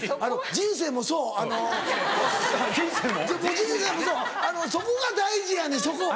人生もそうそこが大事やねんそこ。